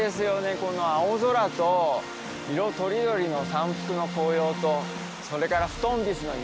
この青空と色とりどりの山腹の紅葉とそれから布団菱の岩。